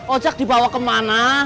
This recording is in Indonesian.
ojak dibawa kemana